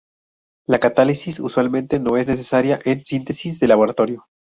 La catálisis usualmente no es necesaria en síntesis de laboratorio.